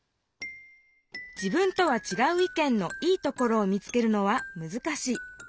自分とはちがう意見の「いいところ」を見つけるのは難しい。